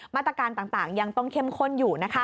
มาตรการต่างยังต้องเข้มข้นอยู่